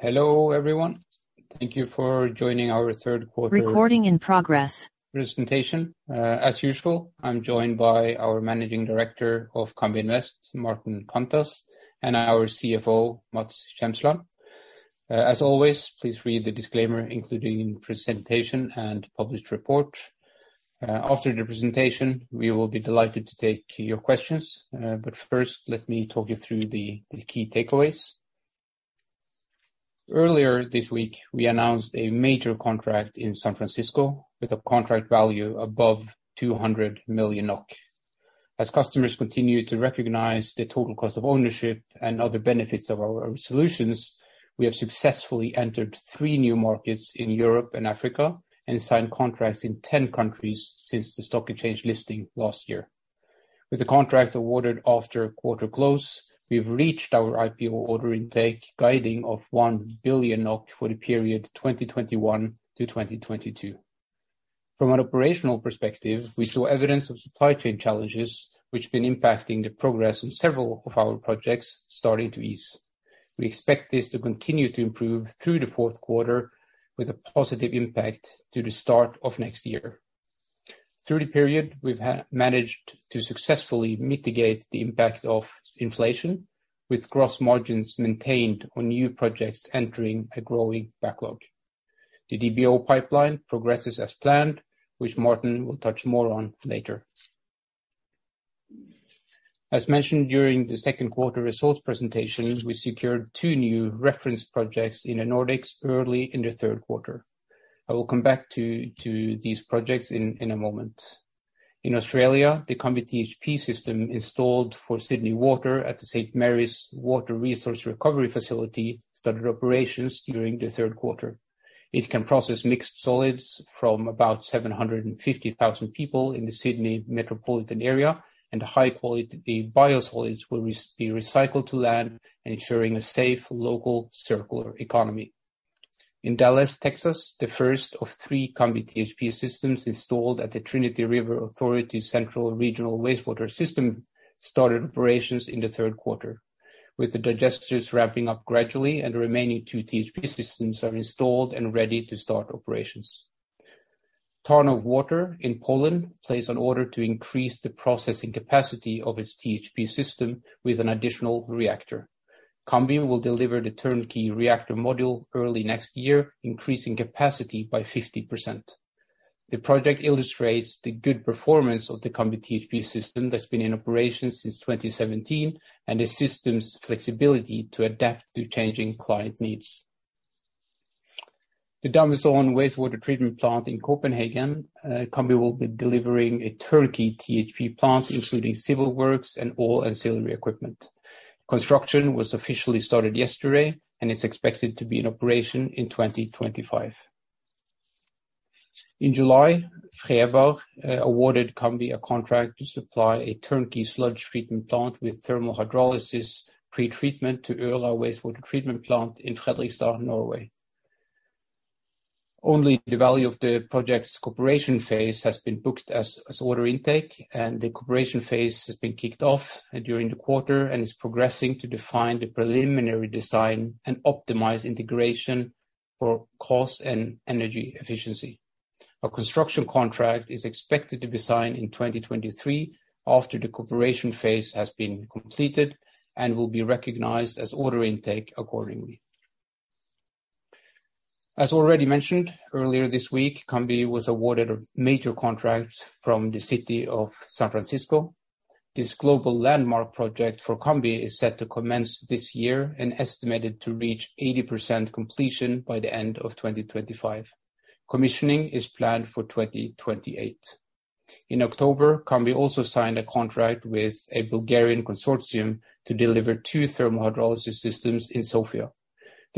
Hello, everyone. Thank you for joining our third quarter... Recording in progress. presentation. As usual, I'm joined by our Managing Director of Cambi Invest, Maarten Kanters, and our CFO, Mats Tjemsland. As always, please read the disclaimer including presentation and published report. After the presentation, we will be delighted to take your questions. First, let me talk you through the key takeaways. Earlier this week, we announced a major contract in San Francisco with a contract value above 200 million NOK. As customers continue to recognize the total cost of ownership and other benefits of our solutions, we have successfully entered 3 new markets in Europe and Africa, and signed contracts in 10 countries since the stock exchange listing last year. With the contracts awarded after quarter close, we've reached our IPO order intake guiding of 1 billion NOK for the period 2021-2022. From an operational perspective, we saw evidence of supply chain challenges, which have been impacting the progress on several of our projects starting to ease. We expect this to continue to improve through the fourth quarter with a positive impact to the start of next year. Through the period, we've managed to successfully mitigate the impact of inflation with gross margins maintained on new projects entering a growing backlog. The DBO pipeline progresses as planned, which Maarten will touch more on later. As mentioned during the second quarter results presentation, we secured two new reference projects in the Nordics early in the third quarter. I will come back to these projects in a moment. In Australia, the CambiTHP system installed for Sydney Water at the St. Marys Water Resource Recovery Facility started operations during the third quarter. It can process mixed solids from about 750,000 people in the Sydney metropolitan area, and high-quality biosolids will be recycled to land, ensuring a safe, local, circular economy. In Dallas, Texas, the first of three CambiTHP systems installed at the Trinity River Authority Central Regional Wastewater System started operations in the third quarter, with the digesters ramping up gradually and the remaining two THP systems are installed and ready to start operations. Tarnów water in Poland placed an order to increase the processing capacity of its THP system with an additional reactor. Cambi will deliver the turnkey reactor module early next year, increasing capacity by 50%. The project illustrates the good performance of the CambiTHP system that's been in operation since 2017 and the system's flexibility to adapt to changing client needs. The Damhusåen Wastewater Treatment Plant in Copenhagen, Cambi will be delivering a turnkey THP plant, including civil works and all ancillary equipment. Construction was officially started yesterday and is expected to be in operation in 2025. In July, FREVAR KF awarded Cambi a contract to supply a turnkey sludge treatment plant with thermal hydrolysis pretreatment to Øra Wastewater Treatment Plant in Fredrikstad, Norway. Only the value of the project's cooperation phase has been booked as order intake, and the cooperation phase has been kicked off during the quarter and is progressing to define the preliminary design and optimize integration for cost and energy efficiency. A construction contract is expected to be signed in 2023 after the cooperation phase has been completed and will be recognized as order intake accordingly. As already mentioned, earlier this week, Cambi was awarded a major contract from the city of San Francisco. This global landmark project for Cambi is set to commence this year and estimated to reach 80% completion by the end of 2025. Commissioning is planned for 2028. In October, Cambi also signed a contract with a Bulgarian consortium to deliver two thermal hydrolysis systems in Sofia.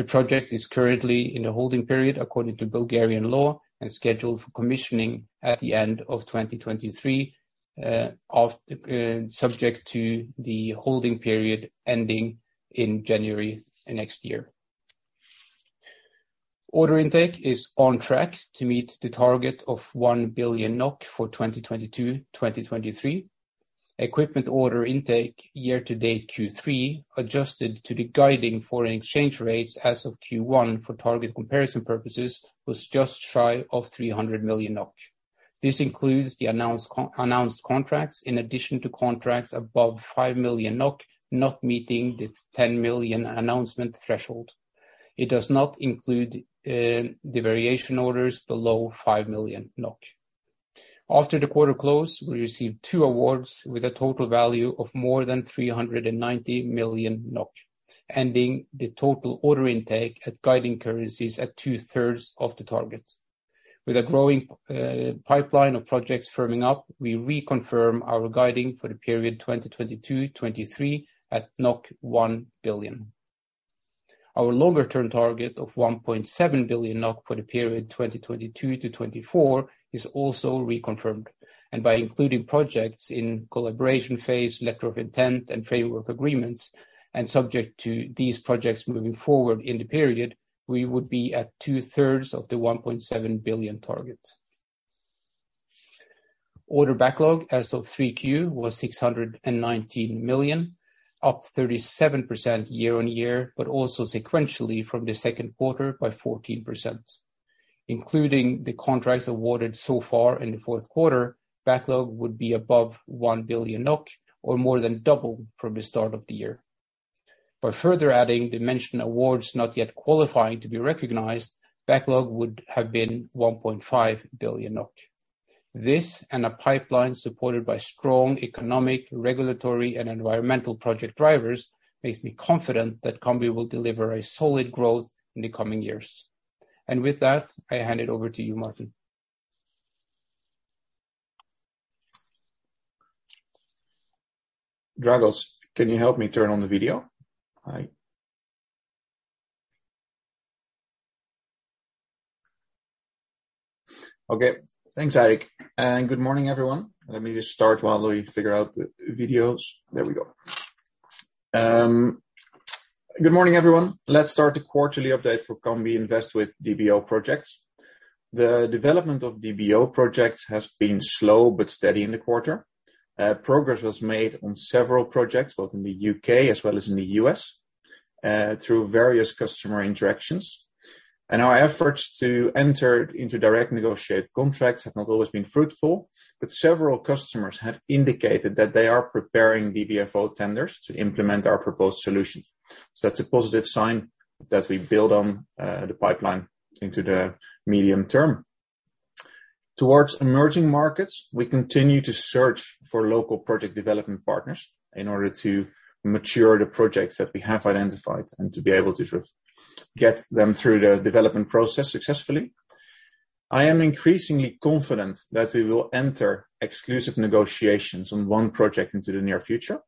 The project is currently in a holding period according to Bulgarian law and scheduled for commissioning at the end of 2023, subject to the holding period ending in January next year. Order intake is on track to meet the target of 1 billion NOK for 2022/2023. Equipment order intake year to date Q3, adjusted to the guiding foreign exchange rates as of Q1 for target comparison purposes, was just shy of 300 million NOK. This includes the announced contracts in addition to contracts above 5 million NOK not meeting the 10 million announcement threshold. It does not include, the variation orders below 5 million NOK. After the quarter close, we received two awards with a total value of more than 390 million NOK, ending the total order intake at guiding currencies at two-thirds of the target. With a growing, pipeline of projects firming up, we reconfirm our guiding for the period 2022/2023 at 1 billion. Our longer-term target of 1.7 billion NOK for the period 2022 to 2024 is also reconfirmed. By including projects in collaboration phase, letter of intent and framework agreements, and subject to these projects moving forward in the period, we would be at two-thirds of the 1.7 billion target. Order backlog as of 3Q was 619 million, up 37% year-on-year, but also sequentially from the second quarter by 14%. Including the contracts awarded so far in the fourth quarter, backlog would be above 1 billion NOK or more than double from the start of the year. By further adding the mentioned awards not yet qualifying to be recognized, backlog would have been 1.5 billion. This and a pipeline supported by strong economic, regulatory, and environmental project drivers, makes me confident that Cambi will deliver a solid growth in the coming years. With that, I hand it over to you, Maarten. Dragos, can you help me turn on the video? Hi. Okay. Thanks, Eirik, and good morning, everyone. Let me just start while we figure out the videos. There we go. Good morning, everyone. Let's start the quarterly update for Cambi Invest with DBO projects. The development of DBO projects has been slow but steady in the quarter. Progress was made on several projects, both in the U.K. as well as in the U.S., through various customer interactions. Our efforts to enter into direct negotiated contracts have not always been fruitful, but several customers have indicated that they are preparing DBFO tenders to implement our proposed solution. That's a positive sign that we build on, the pipeline into the medium term. Towards emerging markets, we continue to search for local project development partners in order to mature the projects that we have identified and to be able to sort of get them through the development process successfully. I am increasingly confident that we will enter exclusive negotiations on one project in the near future.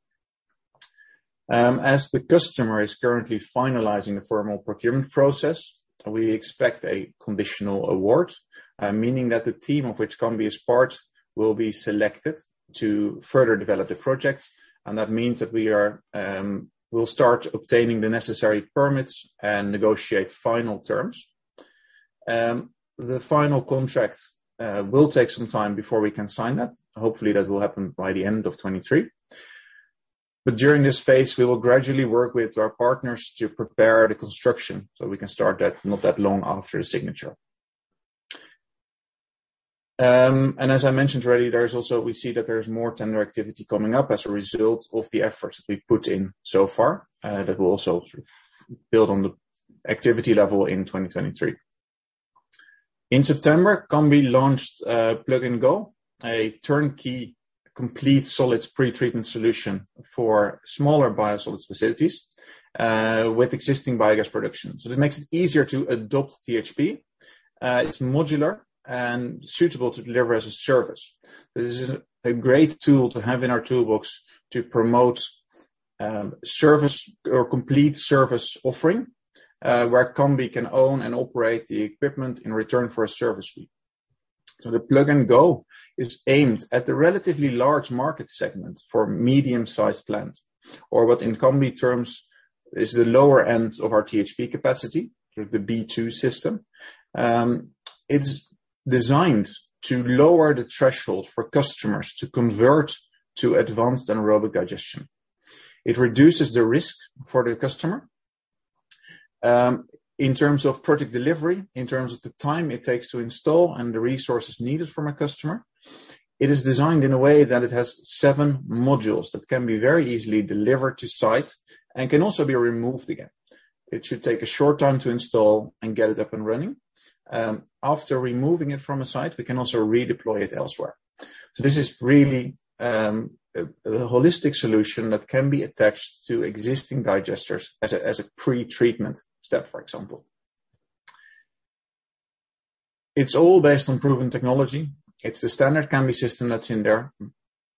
As the customer is currently finalizing the formal procurement process, we expect a conditional award, meaning that the team of which Cambi is part will be selected to further develop the project. That means that we'll start obtaining the necessary permits and negotiate final terms. The final contract will take some time before we can sign that. Hopefully, that will happen by the end of 2023. During this phase, we will gradually work with our partners to prepare the construction, so we can start that not that long after the signature. As I mentioned already, we see that there's more tender activity coming up as a result of the efforts we've put in so far, that will also build on the activity level in 2023. In September, Cambi launched Plug&Go, a turnkey complete solids pretreatment solution for smaller biosolids facilities, with existing biogas production. It makes it easier to adopt THP. It's modular and suitable to deliver as a service. This is a great tool to have in our toolbox to promote service or complete service offering, where Cambi can own and operate the equipment in return for a service fee. The Plug&Go is aimed at the relatively large market segment for medium-sized plants, or what in Cambi terms is the lower end of our THP capacity, the B2 system. It's designed to lower the threshold for customers to convert to advanced anaerobic digestion. It reduces the risk for the customer, in terms of project delivery, in terms of the time it takes to install and the resources needed from a customer. It is designed in a way that it has seven modules that can be very easily delivered to site and can also be removed again. It should take a short time to install and get it up and running. After removing it from a site, we can also redeploy it elsewhere. This is really a holistic solution that can be attached to existing digesters as a pretreatment step, for example. It's all based on proven technology. It's the standard Cambi system that's in there.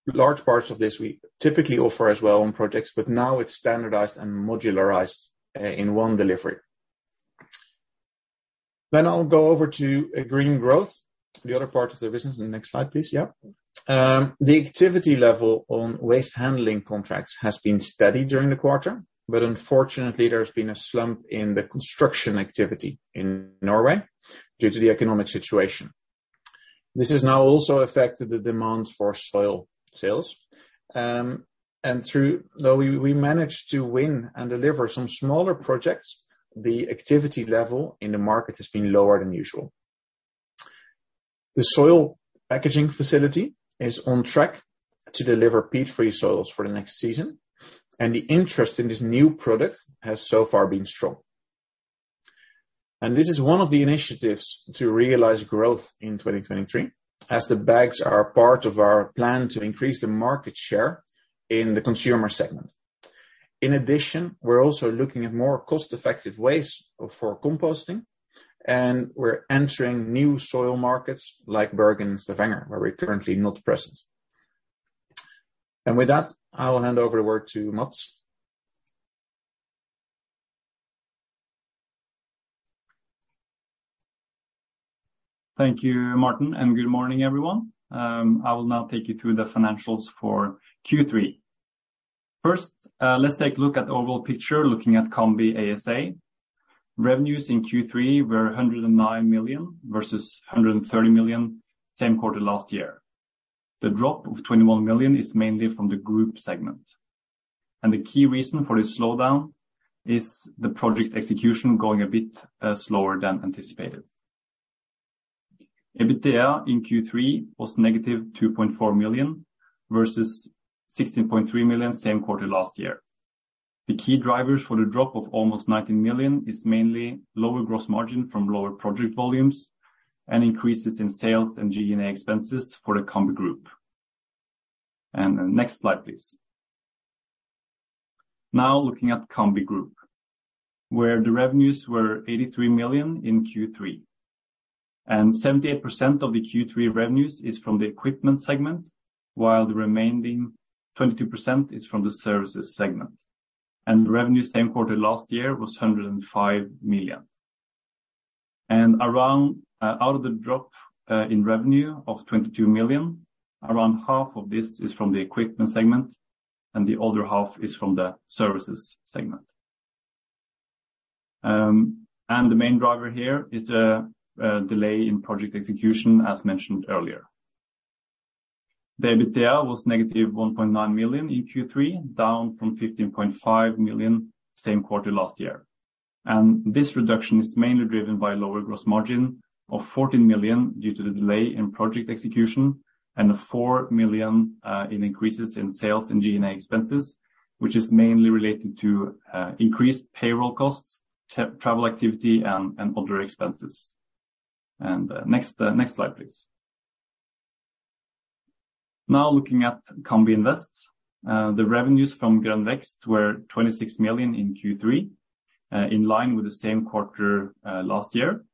Large parts of this we typically offer as well on projects, but now it's standardized and modularized in one delivery. I'll go over to Grønn Vekst, the other part of the business. The next slide, please. The activity level on waste handling contracts has been steady during the quarter, but unfortunately, there's been a slump in the construction activity in Norway due to the economic situation. This has now also affected the demands for soil sales. Though we managed to win and deliver some smaller projects, the activity level in the market has been lower than usual. The soil packaging facility is on track to deliver peat-free soils for the next season, and the interest in this new product has so far been strong. This is one of the initiatives to realize growth in 2023, as the bags are part of our plan to increase the market share in the consumer segment. In addition, we're also looking at more cost-effective ways for composting, and we're entering new soil markets like Bergen and Stavanger, where we're currently not present. With that, I will hand over the word to Mats. Thank you, Maarten, and good morning, everyone. I will now take you through the financials for Q3. First, let's take a look at overall picture looking at Cambi ASA. Revenues in Q3 were 109 million versus 130 million same quarter last year. The drop of 21 million is mainly from the group segment, and the key reason for this slowdown is the project execution going a bit slower than anticipated. EBITDA in Q3 was negative 2.4 million, versus 16.3 million same quarter last year. The key drivers for the drop of almost 19 million is mainly lower gross margin from lower project volumes and increases in sales and G&A expenses for the Cambi Group. Next slide, please. Now looking at Cambi Group, where the revenues were 83 million in Q3, and 78% of the Q3 revenues is from the equipment segment, while the remaining 22% is from the services segment. The revenue same quarter last year was 105 million. Around out of the drop in revenue of 22 million, around half of this is from the equipment segment, and the other half is from the services segment. The main driver here is the delay in project execution as mentioned earlier. The EBITDA was negative 1.9 million in Q3, down from 15.5 million same quarter last year. This reduction is mainly driven by lower gross margin of 40 million due to the delay in project execution and a 4 million in increases in sales and G&A expenses, which is mainly related to increased payroll costs, travel activity, and other expenses. Next slide, please. Now looking at Cambi Invest. The revenues from Grønn Vekst were 26 million in Q3, in line with the same quarter last year.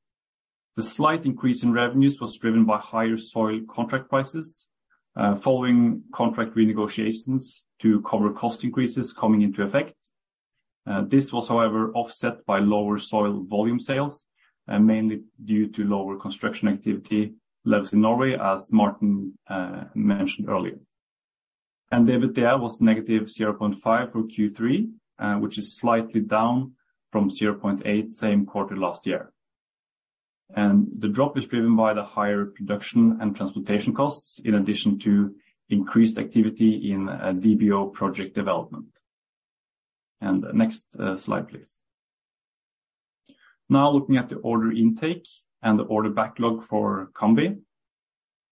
The slight increase in revenues was driven by higher soil contract prices, following contract renegotiations to cover cost increases coming into effect. This was however offset by lower soil volume sales, mainly due to lower construction activity levels in Norway, as Maarten mentioned earlier. The EBITDA was -0.5 million for Q3, which is slightly down from 0.8 million same quarter last year. The drop is driven by the higher production and transportation costs, in addition to increased activity in DBO project development. Next, slide, please. Now looking at the order intake and the order backlog for Cambi.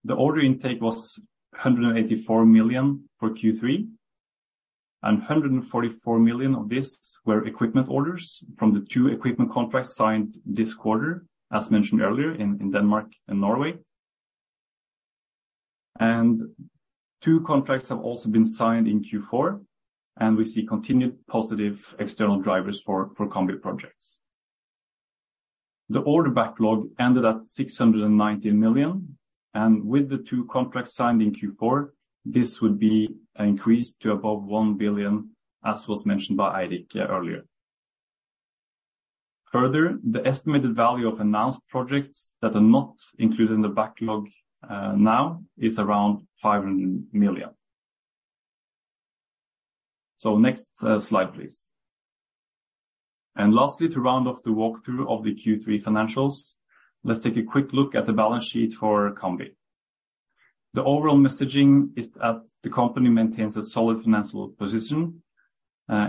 The order intake was 184 million for Q3, and 144 million of this were equipment orders from the two equipment contracts signed this quarter, as mentioned earlier in Denmark and Norway. Two contracts have also been signed in Q4, and we see continued positive external drivers for Cambi projects. The order backlog ended at 690 million, and with the two contracts signed in Q4, this would be increased to above 1 billion, as was mentioned by Eirik earlier. Further, the estimated value of announced projects that are not included in the backlog now is around 500 million. Next slide, please. Lastly, to round off the walkthrough of the Q3 financials, let's take a quick look at the balance sheet for Cambi. The overall messaging is that the company maintains a solid financial position.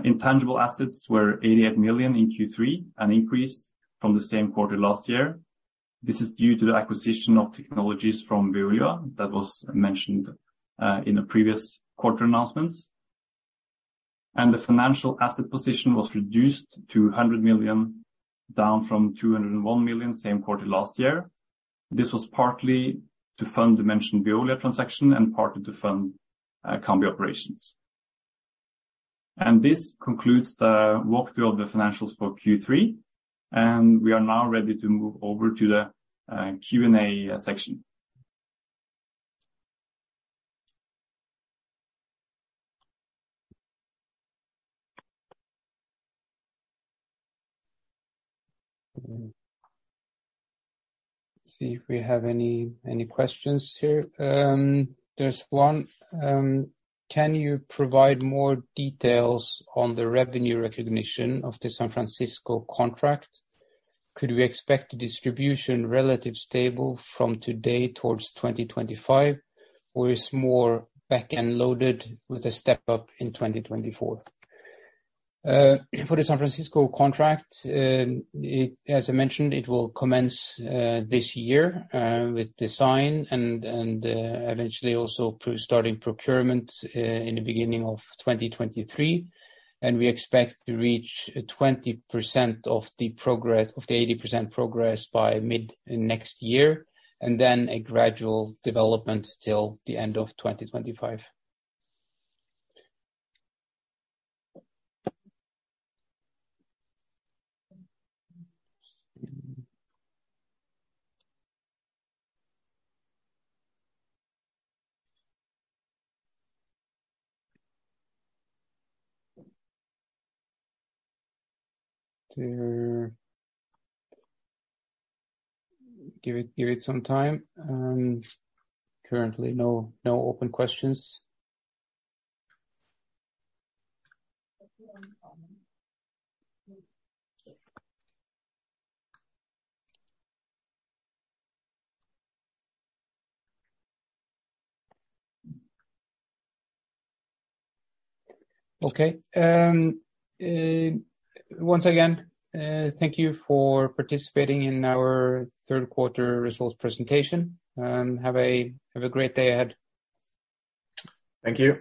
Intangible assets were 88 million in Q3, an increase from the same quarter last year. This is due to the acquisition of technologies from Veolia that was mentioned in the previous quarter announcements. The financial asset position was reduced to 100 million, down from 201 million same quarter last year. This was partly to fund the mentioned Veolia transaction and partly to fund Cambi operations. This concludes the walkthrough of the financials for Q3, and we are now ready to move over to the Q&A section. See if we have any questions here. There's one. Can you provide more details on the revenue recognition of the San Francisco contract? Could we expect the distribution relatively stable from today towards 2025 or is more back-end loaded with a step-up in 2024? As I mentioned, it will commence this year with design and eventually also starting procurement in the beginning of 2023. We expect to reach 20% of the 80% progress by mid next year, and then a gradual development till the end of 2025. Give it some time. Currently no open questions. Once again, thank you for participating in our third quarter results presentation and have a great day ahead. Thank you.